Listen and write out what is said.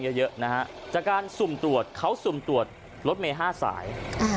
เออเล่นเยอะเยอะนะฮะจากการสุ่มตรวจเขาสุ่มตรวจรถเมล์ห้าสายอ่า